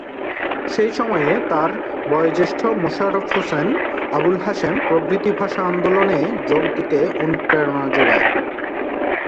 সেই সময়ে তার বয়োজ্যেষ্ঠ মোশাররফ হোসেন, আবুল হাসেম, প্রভৃতি ভাষা আন্দোলনে যোগ দিতে অনুপ্রেরণা জোগায়।